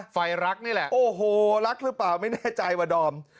รักนี่แหละโอ้โหรักหรือเปล่าไม่แน่ใจวะดอม